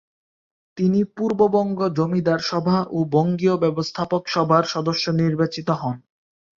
তিনি পূর্ববঙ্গ জমিদার সভা ও বঙ্গীয় ব্যবস্থাপক সভার সদস্য নির্বাচিত হন।